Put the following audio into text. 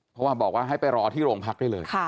เพราะว่าบอกว่าให้ไปรอที่โรงพักได้เลย